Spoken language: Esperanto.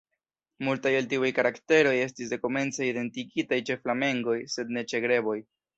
Multaj el tiuj karakteroj estis dekomence identigitaj ĉe flamengoj, sed ne ĉe greboj.